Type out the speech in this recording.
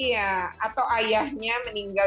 ya atau ayahnya meninggal